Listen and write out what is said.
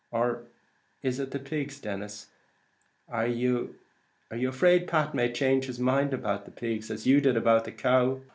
Or is it the pigs, Denis? Are you afraid Pat may change his mind about the pigs, as you did about the cow?"